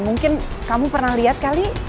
mungkin kamu pernah lihat kali